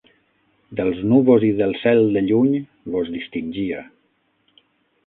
Dels núvols i del cel de lluny vos distingia